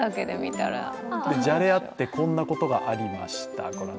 じゃれあってこんなことがありました。